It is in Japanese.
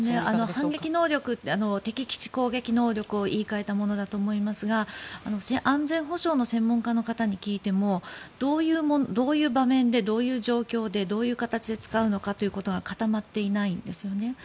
反撃能力は敵基地攻撃能力を言い換えたものだと思いますが安全保障の専門家の方に聞いてもどういう場面でどういう状況でどういう形で使うのかが固まっていないんですよね。